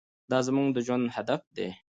دا زموږ د ژوند هدف دی.